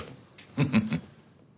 フフフ。